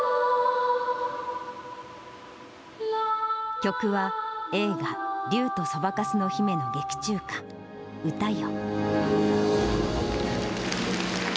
曲は、映画、竜とそばかすの姫の劇中歌、歌よ。